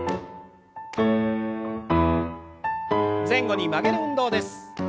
前後に曲げる運動です。